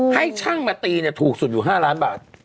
ให้ช่างมาตีถูกสุดอยู่๕ล้านบาท